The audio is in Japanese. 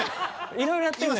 いろいろやってんのよ。